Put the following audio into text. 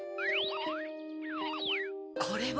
これは？